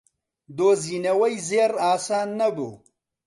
دۆزینەوەی زێڕ ئاسان نەبوو.